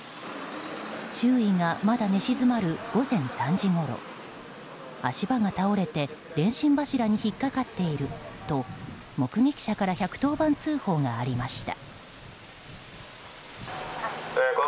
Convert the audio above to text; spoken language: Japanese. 周囲がまだ寝静まる午前３時ごろ足場が倒れて、電信柱に引っかかっていると目撃者から１１０番通報がありました。